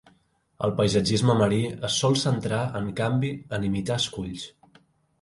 El paisatgisme marí es sol centrar, en canvi, en imitar esculls.